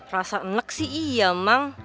rasa nek sih iya mang